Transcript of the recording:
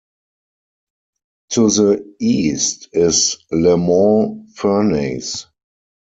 To the east is Lemont Furnace.